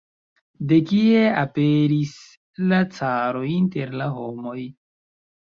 De kie aperis la caroj inter la homoj?